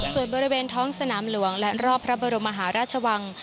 ส่วนบริเวณท้องสนามหลวงและรอบพระบรมมหาราชวัง